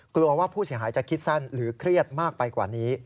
กลัวว่าผู้เสียหายจะคิดสั้นหรือเครียดมากไปกว่านี้